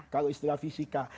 kalau istilah fisika